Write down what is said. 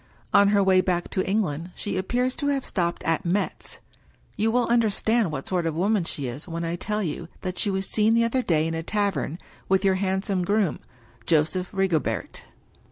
On her way back to England she ap pears to have stopped at Metz. You will understand what sort of woman she is when I tell you that she was seen the other day in a tavern with your handsome groom, Joseph Rigobert."